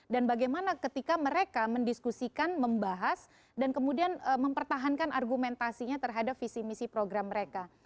dan bagaimana ketika mereka mendiskusikan membahas dan kemudian mempertahankan argumentasinya terhadap visi misi program mereka